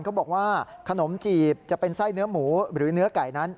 เขาบอกว่าขนมจีบจะเป็นไส้เนื้อหมูหรือเนื้อไก่นั้น